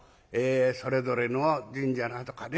それぞれの神社だとかね